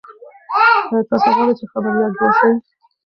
ایا تاسي غواړئ چې خبریال جوړ شئ؟